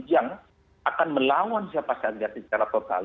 yang akan melawan siapa saja secara total